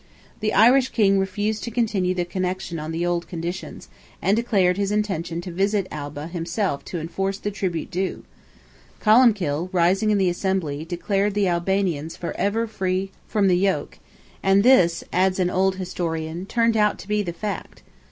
The Irish King refused to continue the connection on the old conditions, and declared his intention to visit Alba himself to enforce the tribute due; Columbkill, rising in the Assembly, declared the Albanians "for ever free from the yoke," and this, adds an old historian, "turned out to be the fact."